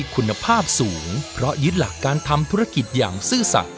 คุณภาพสูงเพราะยึดหลักการทำธุรกิจอย่างซื่อสัตว